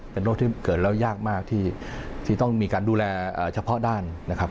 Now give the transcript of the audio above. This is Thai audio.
เป็นโรคที่เกิดแล้วยากมากที่ต้องมีการดูแลเฉพาะด้านนะครับ